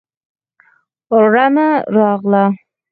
رڼا راغله.